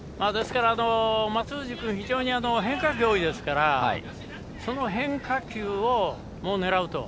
松藤君、非常に変化球が多いですからその変化球を狙うと。